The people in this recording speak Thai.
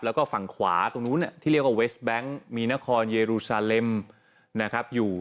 แล้วก็ฝั่งขวาตรงนู้นที่เรียกว่าเวสแบงค์มีนครเยรูซาเลมนะครับอยู่